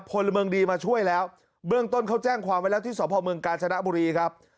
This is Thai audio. พลเมืองดีมาช่วยแล้วเบื้องต้นเขาแจ้งความไว้แล้วที่สพเมืองกาญจนบุรีครับ